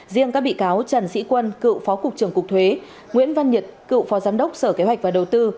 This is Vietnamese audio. riêng các bị cáo trần sĩ quân cựu phó cục trưởng cục thuế nguyễn văn nhật cựu phó giám đốc sở kế hoạch và đầu tư